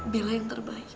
bella yang terbaik